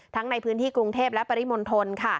ในพื้นที่กรุงเทพและปริมณฑล